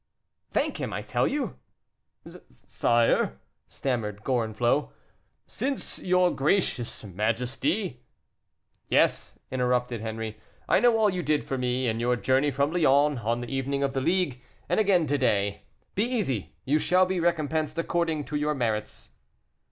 "Thank him, I tell you." "Sire," stammered Gorenflot, "since your gracious majesty " "Yes," interrupted Henri, "I know all you did for me, in your journey from Lyons, on the evening of the League, and again to day. Be easy, you shall be recompensed according to your merits."